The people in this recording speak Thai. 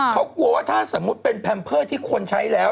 เขากลัวว่าถ้าแพมเพอร์ที่ควรใช้แล้ว